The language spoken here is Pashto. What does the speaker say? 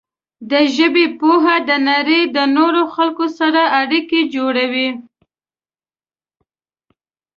د ژبې پوهه د نړۍ د نورو خلکو سره اړیکه جوړوي.